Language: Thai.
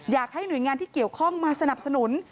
อยากให้หน่วยงานที่เกี่ยวข้องมาสนับสนุน